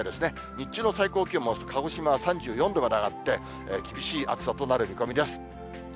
日中の最高気温も鹿児島は３４度まで上がって、厳しい暑さとなる見込みです。